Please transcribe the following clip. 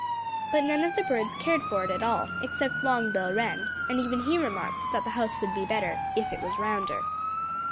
But none of the birds cared for it at all, except Long Bill Wren; and even he remarked that the house would be better "if it was rounder."